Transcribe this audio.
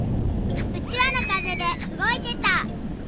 うちわのかぜでうごいてた。